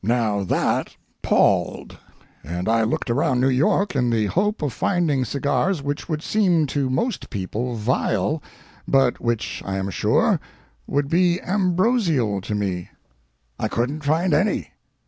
Now that palled, and I looked around New York in the hope of finding cigars which would seem to most people vile, but which, I am sure, would be ambrosial to me. I couldn't find any.